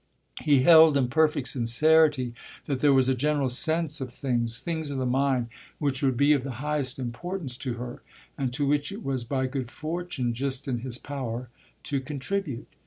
He held in perfect sincerity that there was a general sense of things, things of the mind, which would be of the highest importance to her and to which it was by good fortune just in his power to contribute.